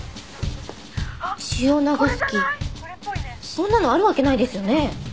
そんなのあるわけないですよね？